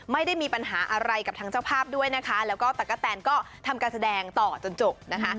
ไม่ได้มีปัญหาอะไรกับทางเจ้าภาพด้วยนะคะแล้วก็ตะกะแตนก็ทำการแสดงต่อจนจบนะคะ